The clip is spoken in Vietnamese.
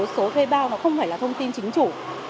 số thuê bao nó không phải là thông tin chính chủ